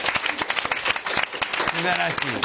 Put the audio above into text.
すばらしい。